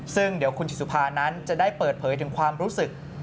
ซึ่งเดี๋ยวคุณจิตสุภานั้นจะได้เปิดเผยถึงความรู้สึก